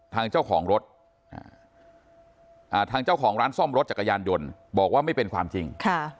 ทางเจ้าของรถทางเจ้าของร้านซ่อมรถจักรยานยนต์บอกว่าไม่เป็นความจริง